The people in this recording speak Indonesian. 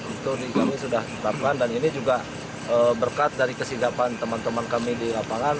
itu kami sudah tetapkan dan ini juga berkat dari kesidapan teman teman kami di lapangan